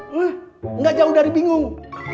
nggak jauh dari bingung